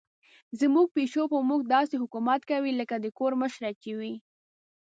زموږ پیشو په موږ داسې حکومت کوي لکه د کور مشره چې وي.